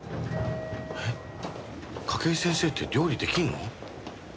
えっ筧先生って料理できんの？